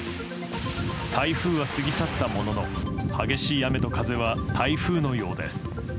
台風は過ぎ去ったものの激しい雨と風は、台風のようです。